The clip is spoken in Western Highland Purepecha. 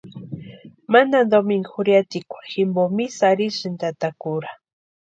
Mantani domingu jurhiatikwa jimpo misa arhisïnti tata kura.